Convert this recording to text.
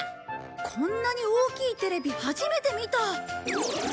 こんなに大きいテレビ初めて見た。